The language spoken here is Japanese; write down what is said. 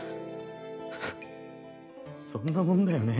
フッそんなモンだよね